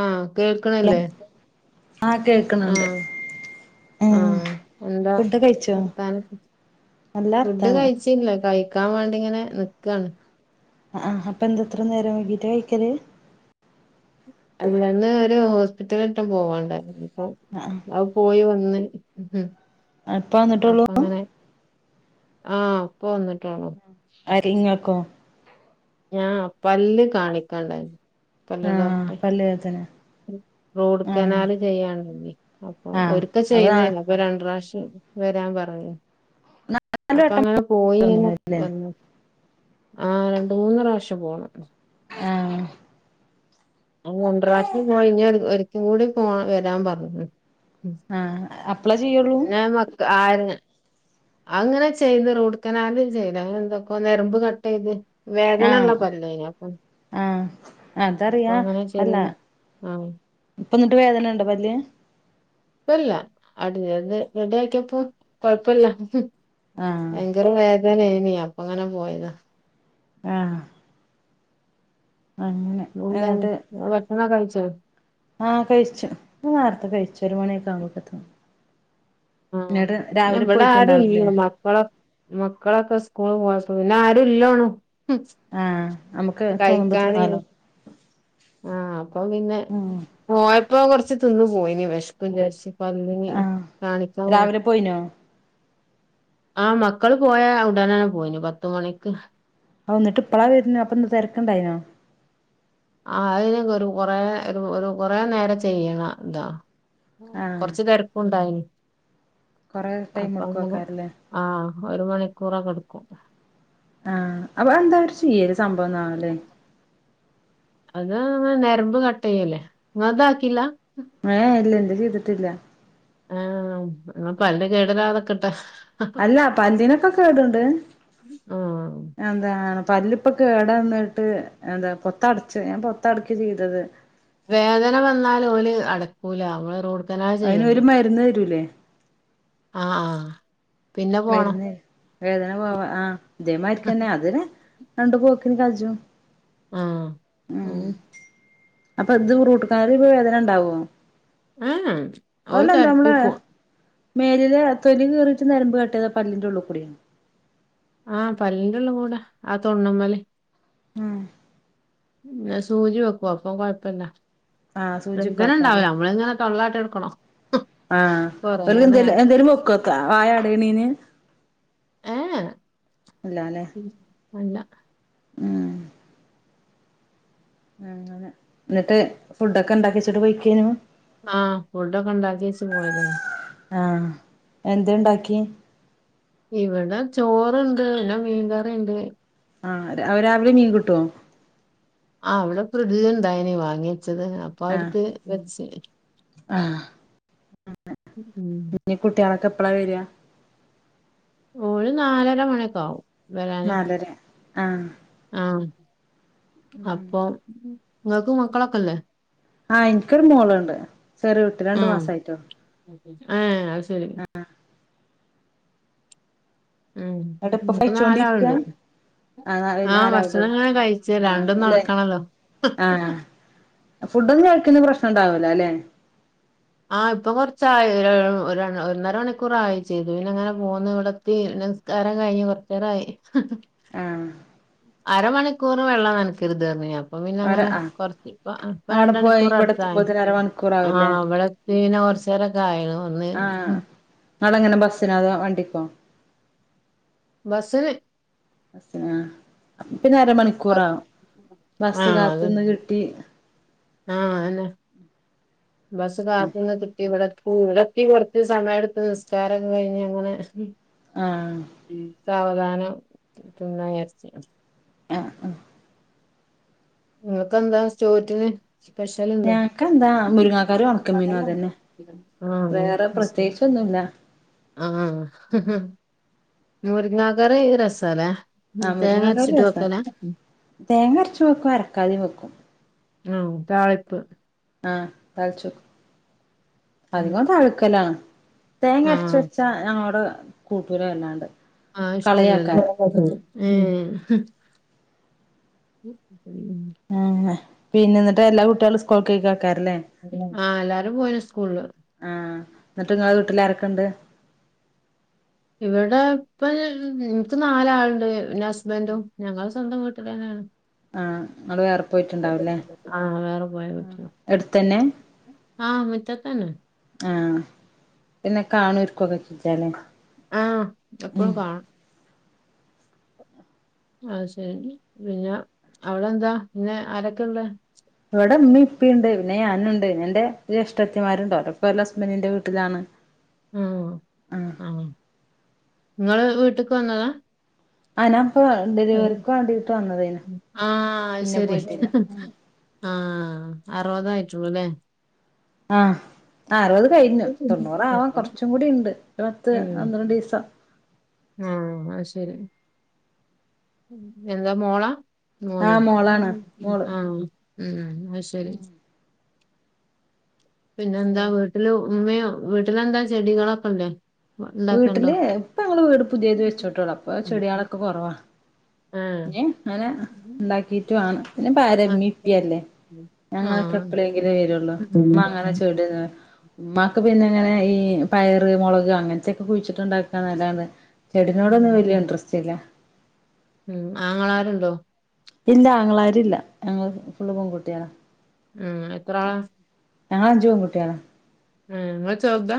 ആഹ്. Hello കേൾക്ണില്ലേ? ആഹ് കേൾക്കുന്നുണ്ട് ആഹ ഉം ആഹ എന്താ ഫുഡ് കഴിച്ചോ വർത്താനം നല്ല ഫുഡ് വർത്താനം കഴിച്ചില്ല കഴി ക്കാൻ വേണ്ടി ഇങ്ങനെ നിക്കാണ്. ആ അപ്പൊ എന്തത്ര നേരം വൈകിട്ട് കഴിക്കല്. അല്ലന്ന് ഒരു ഹോസ്പിറ്റലിട്ടും പോവാണ്ടായിരുന്നു. ഒ ആഹ് അവ പോയി വന്ന്. ഉം. അപ്പ വന്നിട്ടള്ളൂ ആഹ പോന്നിട്ട് ആഹ അര ഇങ്ങാക്കോ ഞാ പല്ല് കാണിക്കണ്ടായിരുന്നു ആഹ പല്ലവേ ദനെ റൂട്ട് കനാല് ചെയ്യാണ്ടി അപ്പൊ ഒക്ക ചെയ്തേന്ന അപ്പൊ രണ്ട വശ്യം വരാൻ പറഞ്ഞു നാല് അപ്പൊ വട്ടം അങ്ങനെ പോയി ഇങ്ങനെ തോന്നുണല്ലേ വന്നു ആഹ രണ്ട മൂന്ന് പ്രാവശ്യം പോണം ആഹ ആ ര ണ്ട പ്രാവശ്യം പോയിഞ്ഞരിക്കും കൂടി പോ വരാൻ പറഞ്ഞു ആഹ അ ഞ മക്ക ആ അങ്ങനെ ചെയ്ത് റൂഡ് കനാലും ചെയ്ല അങ്ങനെ എന്തൊക്കോ നരമ്പ് കട്ട് ചെയ്ത് ആ വേദനള്ള പല്ലേനി അപ്പം ആ അപ്പൊ അതറിയാ അങ്ങനെ അല്ല ചെയ്ത് ആഹ് ഇപ്പൊ എന്നിട്ട് വേദനുണ്ടോ പല്ല് ഇപ്പല്ല അടിത് റെഡി ആക്കിയപ്പോ കൊഴപ്പല്ല ആഹ് ഭയങ്കര വേ വേദനെനി അപ്പങ്ങനെ പോയതാ ആ [unintelligible] എന്നാ കഴിച്ച ആ കഴിച്ചു നേരത്തെ കഴിച്ചു ഒരു മണിയൊക്കെ ആവുമ്പോക്കെത്ത്നും ആ ന്ന് ബട ആടെനി പോയിട്ടുണ്ടാവില്ലേ മക്കളക്കെ സ്കൂൾ പോയി പിന്നെ ആരു ഇല്ല ആ നമുക്ക് തോന്നുമ്പോ തിന്നാലോ ആ അപ്പൊ പിന്നെ ഉം പോയപ്പോ കുറച്ച് തിന്ന് പോയിനി വെഷ്ക്ക്ണ്ട് വെഷ് പല്ലിന് ആഹ് കാണിക്കാൻ പോ രാവിലെ പോയിനോ ആ മക്കള് പോയ ഉടനെ പോയിണ് പത്ത് മണിക്ക് ആ എന്നിട്ട് ഇപ്പളാ വരുന്ന അപ്പൊ ഇന്ന് തിരക്കുണ്ടായിനോ ആ അതിന് ഒരു കൊറെ ഒരു കൊറെ നേരം ചെയ്യണ ഇതാ ആഹ് കൊറച്ച് തിരക്കും ഉണ്ടായിനി കൊറെ ടൈം കൊടുക്കുവക്കാരല്ലേ ആ ഒരു മണിക്കൂറൊക്കെടുക്കും ആ അപ്പൊന്താ അവര് ചെയ്യല് സംഭവന്നാവല്ലേ അത് ഞരമ്പ് കട്ട് ചെയ്യല്ലേ ങ്ങൾതാക്കീല്ല ഏ ഇല്ലല്ല അത് ചെയ്തിട്ടില്ല ആ പല്ല് കേടരാതക്കട്ടെ അല്ല പല്ലിനൊക്കെ കേടുണ്ട് ആ എന്താണ് പല്ലുപ്പൊ കേടന്നിട്ട് എന്താ പൊത്തടച്ച് ഞാൻ പൊത്തടക്കാചെയ്തത് വേദന വന്നാല് ഓല് അടക്കൂല റൂട്ട് കനാൽ ചെയ്യണ്ടേ അതിനൊ മരുന്ന് തരൂലേ ആ ആ പിന്നെ പോണം മരുന്ന് വേദന പോവാ ആ ദേമാരിക്കാന്നെ അത് നെ രണ്ട് പോക്കിന് കജും ആ ഓ അപ്പ ഇത് റൂട്ട് കനാല് ഇപ്പ വേദന ഇണ്ടാവോ ആ ഓള് [unintelligible] മേലില് തൊലി കീറിട്ട് നരമ്പ് ക ഇട്ട ഏതാ പല്ലിന്റെ ഉള്ള്കൂടി ആ പല്ലിന്റെള്ള് കൂടെ ആ തൊണ്ണ് മ്മല് ആ എ സൂചി വെക്കൊ അപ്പം കൊഴപ്പല്ല ആഹ് സൂചിയൊക്കെ വെന്ധന ഇണ്ടാവ് ല നമ്മള്ങ്ങനെ തൊള്ളാട്ടിട് ക്കണ ആ ഒരു ഇതില് എന്തേലു വെക്കുക്ക വായ അടയിണീന് ഏ എ അല്ലാതെ [unintelligible] ഉം മ് ങ്ങനെ ഇങ്ങട്ട് ഫുഡൊക്കെ ഇണ്ടാക്കിച്ചിട്ട് പോയിക്കെനു ആ ഫുഡൊക്കെ ഇണ്ടാക്കിച്ച് പോയതെനി ആ എന്തേണ്ടാക്കി ഇവിടെ ചോറ്ണ്ട് ന്നെ മീൻകറിണ്ട് ആ രാവിലെ വിലെ മീൻ കിട്ടൊ ആ വിടെ ഫ്രിഡ്ജി ഇണ്ടായിനി വാങ്ങി ച്ചത് അപ്പ അഹ്‌ ട്ത്ത് വെച്ച് ആ [unintelligible] ഉം കുട്ടിളൊക്കെ എപ്പളാ വെര് ഓല് നാലര മണിഒക്കെ ആവും വരാന്. നാലര ആ ആ അപ്പൊ നിങ്ങക്ക് മക്കളൊക്കെല്ലേ ആ എനിക്കൊരു മോള്ണ്ട് ചെറിയ കുട്ടി രണ്ട് ആ മാസായിട്ടോ ഏ അത് ശരി. മ് മ് ഉം എന്നിട്ട് ഇപ്പൊ ഇൻക്ക് കഴിച്ചോണ്ടിരിക്കാ നാലാള്ണ്ട് ആഹ് ആ ആഹ് രാവിലെ ഭക്ഷണങ്ങനെ കഴിച്ച് ആഹ് രണ്ടും അല്ലെ നടക്കണല്ലോ ഫുഡ് ഒന്നു ആയി ഇപ്പല്യാ പ്രശ്ന ഇണ്ടാവൂലാല്ലെ ആ ഇപ്പ കൊറച്ചായെ യേ ഒര് ണ് ഒന്നര മണിക്കൂറആയിം ചെയ്ത് പിന്നെ ഇങ്ങനെ പോന്ന് ഇവിടെത്തി പിന്നെ നിസ്ക്കാരം കഴിഞ്ഞ് കൊറച്ചെ രായി ഹ് ഹ് ആ അരമണിക്കൂറ് വെള്ളം നനക്കര്തെർ ഞ്ഞിനി അപ്പൊ പിന്നെ അവര് അങ്ങനെ ആഹ് കൊറച്ച് ഇപ്പ അവിടെ രണ്ട പോയി മണിക്കൂർ ഇവിടെ അടുത്തായി എത്തുമ്പോത്തിന് അരമണിക്കൂറാവൂല്ലേ ആഅവടെ- പിന്നെ കുറച്ച നേരൊക്കെ കാര്യമൊക്കെ ഒന്ന്- ങ്ങളെങ്ങനെ ബസ്സിനാത വണ്ടിക്കോ? ബസിന് [unintelligible] പിന്ന ബസ് അരമണിക്കൂറാകും ബസ് കാത്തുന്ന് കിട്ടി- ആഹ അതന്നെ- ബസ് കാത്തു നിന്ന് കിട്ടി ഇവിടെ- ഇവിടെ എത്തി കൊറച്ച് സമയം എടുത്ത് നിസ്കാരം കഴിഞ്ഞ അങ്ങനെ- ആഹ് ഉം സാവധാന ാനുന്നച്ച [unintelligible] ആഹ് ആഹ് നിങ്ങൾക്കെന്താ ചോറ്റിന്? സ്പെഷ്യൽണ്ടോ ഞങ്ങക്കെന്താ മുരിങ്ങാക്കറിയും ഒണക്കമീനും അതന്നെ വേറെ ആഹ് പ്രത്യേകിച്ചൊന്നുല്ല ആഹ് മുരിങ്ങാകറി ഏത് രസ അല്ലേ? ആഹ മുരുങ്ങാക്കാരി രസ തേങ്ങ അരച്ച വെക്കും അരക്കാത വെക്കും- ആ താളിപ്പ്- ആഹ താളിച്ചോ അധികം തളിക്കേലാ- തേങ്ങ അരച്ച ആഹ് വെച്ചാ ഞങ്ങളോട് കൂട്ടൂല വല്ലാണ്ട്- ആഹ് ഇഷ്ടല്ലല്ല ഉം- ഉം ഉം ആഹ് പിന്നെ എന്നിട്ട് എല്ലാ കുട്ടികളും സ്കൂൾ കേക്കാം ആഹ് എല്ലാരും പോയിണ് സ്കൂള്ല് എന്നിട്ട്ങ്ങളെ വീട്ടില് ആരൊക്കെുണ്ട്- ഇവിടെ ഇപ്പൊ ഇൻക്ക് നാലാളുണ്ട് പി ഹസ്ബന്ഡും ഞങ്ങൾ- സ്വന്തം വീട്ട് തന്നെയാണ്- ആഹ് നിങ്ങൾ വേറെ പോയിട്ടുണ്ടാവുംല്ലേ ആഹ് വേറെ പോയ വീട്ടിലാ അടുത്ത്തന്നെ ആ മുറ്റത്തന്നെ ആഹ് പിന്നെ കാണുംക്കൊക്കെ ചിച്ചാലേ ആഹ് എപ്പോഴും കാണും അ ശരി പിന്നെ അവിടെ എന്താ പിന്നെ ആരൊക്കെയ ഉള്ള- ഇവടെ ഇമ്മി ഇപ്പിണ്ട് പിന്നെ ഞാനുണ്ട് പിന്നെന്റെ ജേഷ്ടത്തിമാരുണ്ട് ഓരൊക്കെ ഓലെ ഹസ്ബൻ്റിന്റെ വീട്ടിലാണ് ആ ആഹ് ആ ഇങ്ങള് വീട്ട്ക്ക് വന്നതാ ആ നാ ഇപ്പം ഡെലിവറിക്ക് വാണ്ടീട്ട് വന്നതേനു ആ പിന്നെ പോയിട്ടില്ല ആഹ് അറുപത് ആയിട്ടുള്ളൂ ലേ ആഹ് അറുപത് കഴിഞ്ഞു തൊണ്ണൂറാവാം കൊറച്ചും കൂടി ണ്ട് ഒര് പത്ത് പന്ത്രണ്ടീസം ആഹ് അത് ശരി എന്താ മോളാ മോനൊ ആഹ് മോളാണ് മോള് ആഹ് ഉം ഉം അത് ശരി പിന്നെന്താ വീട്ടില് ഉമ്മിം വീട്ടിലെന്താ ചെടികളൊക്കല്ലേ വീട്ടില് ഇപ്പ ഞങ്ങള് വീട് പുതിയത് വെച്ചിട്ടൊള്ളൂ അപ്പൊ ചെടിയേളൊക്കെ കൊറവാ ആ ഇഞ് അങ്ങനെ ഉണ്ടാക്കിട്ടു വാണം പിന്നെപ്പ ആരാ ഇമ്മിഇപ്പി അല്ലേ ഞങ്ങളൊക്കെ ആഹ് എപ്പളേങ്കിലും വരുള്ളൂ ഉം ഉമ്മ അങ്ങനെ ചെടിയൊന്നും ഉമ്മാക്ക് പിന്നെ ഇങ്ങനെ ഈ പയറ് മുളക് അങ്ങനത്തൊക്കെ കുഴിച്ചിട്ട് ഇണ്ടാക്കാന്നല്ലാതെ ചെടിനോടൊന്നും വലിയ ഇൻട്രസ്റ്റ് ഇല്ല ഉം ആങ്ങളാരുണ്ടോ ഇല്ല അങ്ങളാരില്ല ഞങ്ങള് ഫുള്ളും പെൺകുട്ട്യേളാ ഉം എത്ര ആളാ ഞങ്ങളഞ്ച് പെൺകുട്ട്യേളാ ഉം ഇങ്ങള് ചെർതാ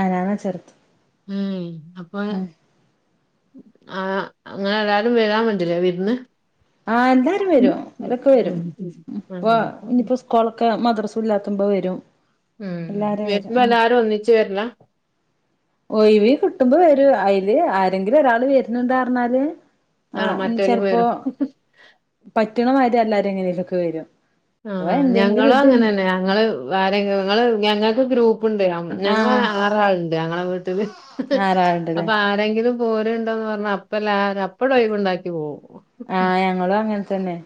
ആ ഞാനാ ചെറ്ത് ഊം അപ്പം ആ അങ്ങനെ എല്ലാരും വരാൻ മതി ല്ലേ വിര്ന്ന് ആ എല്ലാരും വരും ഓലൊക്കെ വരും ഇപ്പോ ഉം ഇനിപ്പോ സ്കൂളൊക്കെ മദ്രസ് സുല്ലാത്തുമ്പം വരും ഉം എല്ലാരും വരുമ്പം എല്ലാരും ഒന്നിച്ച് വര്ലാ ഒഴിവി കിട്ടുമ്പ വരും അയില് ആരെങ്കിലും ഒരാള് വര്ന്ണ്ടാറഞ്ഞാല് ആ മറ്റൊല് വരും പറ്റണമാതിരി എല്ലാവാരും എങ്ങനെലൊക്കെ വരും ആ അഥവാ എന്തെങ്കിലും ഞങ്ങളും ഇത് അങ്ങനെന്നെ ഞങ്ങള് ആരെ ങ്ങള് ഞങ്ങ ഇപ്പൊ ഗ്രൂ ണ്ട് ആ ഞങ്ങള ആറാളുണ്ട് ഞങ്ങളെ വീ ല് ആറാളുണ്ടല്ലേ അപ്പൊ ആരെങ്കിലും പോരണ്ടോന്ന് പറഞ്ഞ അപ്പല്ലര അപ്പൻ ഒഴിവുണ്ടാക്കി ഉണ്ടാക്കി പോകും ആ ഞങ്ങളും അങ്ങനെ തന്നെ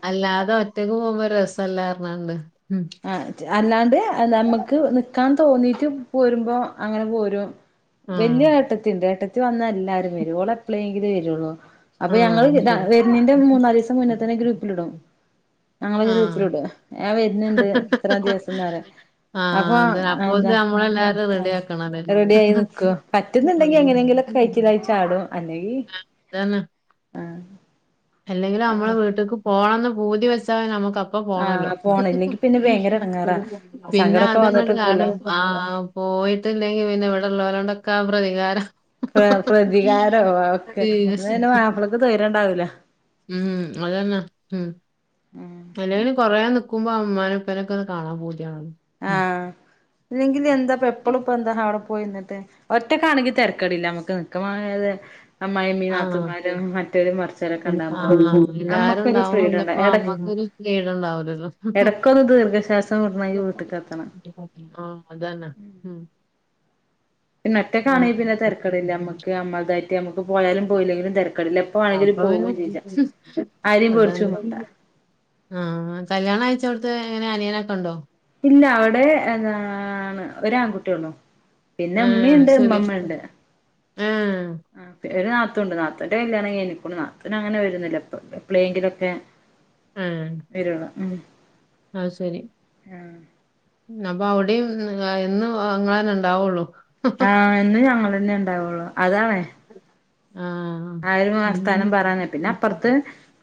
റ്റക്ക് പോകുമ്പോൾ രസ സല്ലാ പറഞണ്ട ആ അല്ലാണ്ട് നമുക്ക് നിക്കാൻ തോന്നീട്ട് പോരുമ്പോ അങ്ങനെ പോരും ആഹ് വല്ല്യ ഏട്ടത്തിണ്ട് ഏട്ടത്തി ത്തി വന്ന എല്ലരും വരും ഓള് എപ്പോളെ ങ്കിലും വരുള്ളൂ അപ്പൊ ആഹ് ഞങ്ങള് അത് ശരി വരുന്നിന്റെ മൂന്നാല് ദിവസം മുന്നേ തന്നെ ഗ്രൂപ്പിലിടും ഞങ്ങള ആഹ് ഗ്രൂപ്പിലിടും ആ വര എത്ര ദിവസംന്ന് പറയും അപ്പൊ ആഹ് അതെ എന്താ അപ്പോത്തിന് നമ്മളെല്ലാരും റെഡിയാക്കണല്ലേ റെഡി ആയി നിക്കും പറ്റുന്നുണ്ടെങ്കി എങ്ങനെങ്കിലും ഓക്കെ കഴിച്ചിലായി ചാടും അല്ലെങ്കിൽ ആതന്നെ അല്ലെങ്കിലും അമ്മള് വീട്ട്ക്ക് പോണംന്ന് പൂതി വെച്ചാൽ നമുക്ക പ്പം ആ പോണാേല്ലോ പോണം ഇല്ലെങ്കി പിന്നെ ഭയങ്കര എടങ്ങേറാ പിന്നെ സങ്കടൊക്കെ അത് വന്നിട്ട് നിക്കൂലേ [unintelligible] ആ പോയിട്ടില്ലെങ്കി പിന്നെ ഇവിടെ ല്ലോലോണ്ടാെ ക്കാ പ്രതികാരം പ്ര പ്രതികാരാേ ക്കെ ന്നാ പിന്നെ മാപ്പൾക്ക് തൊയ്രണ്ടാവൂല ഉം അതന്നെ ഉം അല്ലെങ്കിലും കൊറേ നിക്കുമ്പോ മ്മാനെ പ്പനൊക്കാെന്ന് കാണാ പൂതി ആ ഇല്ലെങ്കിൽ എന്താപ്പ എപ്പളുപ്പെന്താ അവ്ടെ പോയിന്ന് ട്ട് ഒറ്റക്കാണെങ്കി തെരക്കേടില്ല ഞമ്മക്ക് നിക്ക മാണേ അത് അമ്മായിമ്മിം ആഹ് നാത്തൂൻമാരും മറ്റൊലും മർച്ചൊലൊക്കെണ്ടാവുമ്പോ ആഹ് എല്ലാരും ഞമ്മക്കൊരു ഉണ്ടാവും ഫ്രീഡണ്ട പിന്നെപ്പോ എട് അമ്മക്കൊരു ലീഡ്ണ്ടാവൂലല്ലോ എടക്കൊന്ന് ദീർഘശ്വാസം മയൂസ് ആ അതന്നെ ഉം പിന്നൊറ്റക്കാണെ പിന്നെ തെരക്കേടില്ല അമ്മക്ക് ഞമ്മൾതായിട്ട് ഞമ്മക്ക് പോയാലും പോയില്ലെങ്കിലും തെര അപ്പൊ പിന്നെ ആരേം അതാണ് പേടിച്ചും വേണ്ട ആ കല്യാണം കഴി [unintelligible] എങ്ങനെ അനിയനൊക്കെണ്ടോ ഇല്ല അവിടെ എന്താണ് ഒരു ആൺകുട്ടിള്ളൂ പിന്നെ ആഹ് ഇമ്മിണ്ട് ശരി ഉമ്മമ്മണ്ട് ആഹ് ആഹ്‌ ഒര് നാത്തൂ നാത്തുണ്ട് നാത്തുന്റെ കല്യാണം കഴിഞ്ഞ്ക്ണു നാത്തുനങ്ങനെ വരുന്നുല്ല എപ്പളേങ്കിലൊക്കെ ആഹ്‌ വരുള്ളൂ ആഹ് ശെരി ആഹ്‌ അപ്പൊ അവെടിം [unintelligible] ഉണ്ടാവൊള്ളൂ ആഹ്‌ എന്നും ഞങ്ങള് തന്നെ ഉണ്ടാവുള്ളൂ അതാണേ ആഹ്. ആരും വർത്താനം പറയാഞ്ഞിട്ട് പിന്നെ അപ്പൊറത്ത്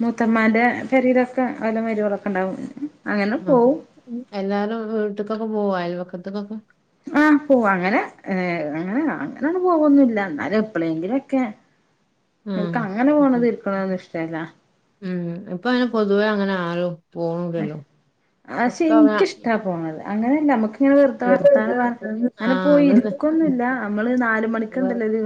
മൂത്തമാന്റെ പെരീലൊക്കെ ഓലെ മര്യോളൊക്കെണ്ടാവും ആഹ് എല്ലാരും വീട്ട്ക്കൊക്കെ പോവോ അയൽവ [unintelligible] ആഹ് പോവും അങ്ങനെ ഏഹ്‌ അങ്ങനെ അങ്ങനെണ് പോവൊന്നുല്ല എന്നാലും എപ്പളേങ്കിലൊക്കെ ആഹ് ഓൽക്ക് അങ്ങനെ പോണത് ഇരിക്കണതൊന്നും ഇഷ്ടല്ല ഉം ഇപ്പൊ അങ്ങനെ പൊതുവേ അങ്ങനെ ആരും പോണില്ലല്ലോ. പക്ഷെ എനിക്കിഷ്ടാ പോണത്. അങ്ങനെല്ല നമക്ക് ആഹ്‌ ഇരിക്കൊന്നുല്ല നമ്മള് നാല് മണിക്ക്ണ്ടല്ലോ ഒരു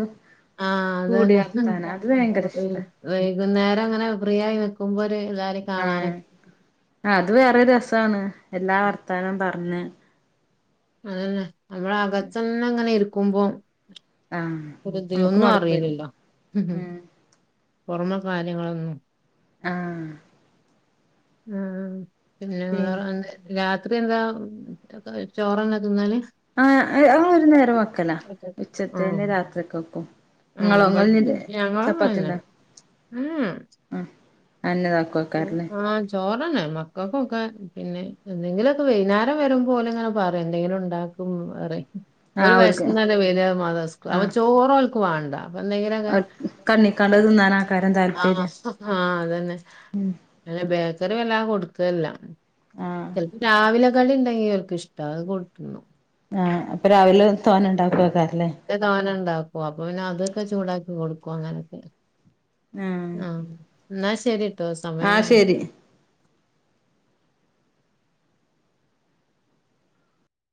കൂടി അതെന്നെ ആഹ്‌ വർത്താനം അത് ഭയങ്കര അതന്നെ ഇഷ്ടാ വൈകുനേരങ്ങനെ ഫ്രീയായി നി നിക്കുമ്പോര് എല്ലാരിം കാണാനൊ ആഹ്‌ അത് വേറൊരുരസാണ്. എല്ലാ വർത്താനോം പറ അന്ന് അതെന്നെ നമ്മൾ അകത്തെന്നെങ്ങനെ ഇരിക് കുമ്പോ ആഹ് ഒരു നമുക്ക് [unintelligible] മടുപ്പ് വരും അറിയ്ണില്ല ഉം ഉം പൊറമെ കാര്യങ്ങളൊന്നും ആഹ്‌ ആഹ് പിന്നെ പി വേറെന്താ രാ ത്രി എന്താക് ചോറ്ന്നെ തിന്നല് ആഹ്‌ അഹ് ഒരു നേരം വെക്കലാ ഉച്ചത്തെന്നെ രാത്രിക്കേക്കും. ആ ബ ഞങ്ങളും അങ്ങനെന്നെ എ ഏ ആഹ് അന്നെ ഇതാക്കുവെക്കാരല്ലേ ആ ചോറന്നെ മക്കക്കൊക്കെ പിന്നെ എന്തെങ്കിലൊക്കെ വൈന്നാരം വരുമ്പൊ ഓല്ങ്ങനെ പറയും എന്തെങ്കിലും ഉണ്ടാക്കും അറിം ഓല് ആഹ് ഓൽക്ക് വെശ്ന്നല്ലേ വരാ മാദ്‌റസ്കൂ അപ്പ ആഹ് ചോറോൽ ക്ക് വാണ്ട അപ്പൊ എന്തെങ്കിലൊക്കെ കണ്ണിക്കാണ്ട് തിന്നാനാക്കാരം ആ താല്പര്യം ഹആ അതന്നെ അല്ല ബേക്കറി വല്ലാ കൊട് ക്കേല്ലാ ആഹ് ചെൽപ്പം രാവിലെ കടിണ്ടെങ്കി ഓൽക്ക് ഇഷ്ടാ അത് കൂട്ടിന്നും ആ അപ്പൊ രാവിലെ തോനെണ്ടാക്കു ഏക്കാരം തോനെണ്ടാ പോ അപ്പൊ പിന്നെ അതൊക്കെ ചൂടാക്കി കൊട്ക്കും അങ്ങനൊക്കെ ആ ന്നാ ശെരി ട്ടോ സമയായി